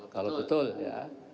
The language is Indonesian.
kalau betul ya